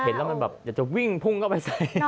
เห็นแล้วมันแบบอยากจะวิ่งพุ่งเข้าไปใส่